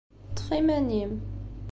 Ṭṭef iman-im.